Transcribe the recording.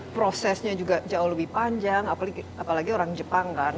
prosesnya juga jauh lebih panjang apalagi orang jepang kan